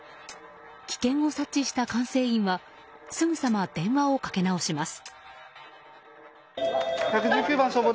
危険を察知した管制員はすぐさま電話をかけ直します。